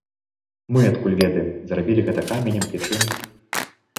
Мы адкуль ведаем, разбілі гэта каменем ці чым?